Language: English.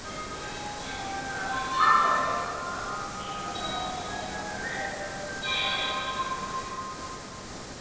Five "highways" link Yangon to the rest of the country.